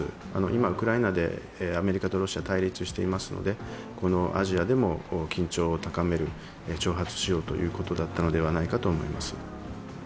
今、ウクライナでアメリカとロシア対立していますのでこのアジアでも緊張を高める、挑発しようということだったのではないかと思います。